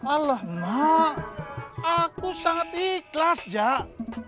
allah mak aku sangat ikhlas jak